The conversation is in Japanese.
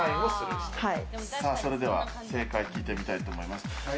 それでは正解を聞いてみたいと思います。